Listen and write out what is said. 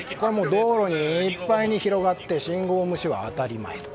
道路いっぱいに広がって信号無視は当たり前。